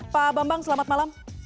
pak bambang selamat malam